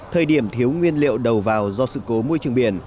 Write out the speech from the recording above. thời điểm thiếu nguyên liệu đầu vào do sự cố môi trường biển